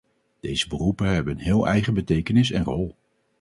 Deze beroepen hebben een heel eigen betekenis en rol.